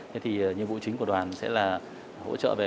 thật nhiều sức khỏe